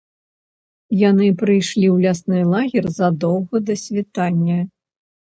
Яны прыйшлі ў лясны лагер задоўга да світання.